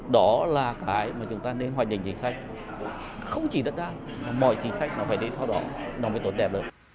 đó là cái mà chúng ta nên hoàn thành chính sách không chỉ đất đai mọi chính sách nó phải đến thoa đó nó mới tốt đẹp lắm